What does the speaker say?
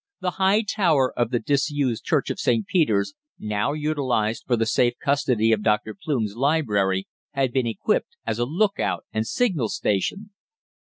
The high tower of the disused Church of St. Peter's, now utilised for the safe custody of Dr. Plume's library, had been equipped as a lookout and signal station."